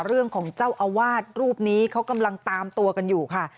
เรื่องของเจ้าอาวาสรูปนี้เขากำลังตามตัวกันอยู่ค่ะ